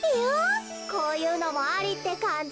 こういうのもありってかんじ。